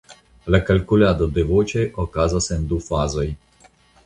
La kalkulado de voĉoj okazas en du fazoj.